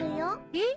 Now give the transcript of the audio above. えっ！？